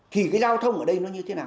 thì cái giao thông ở đây nó như thế nào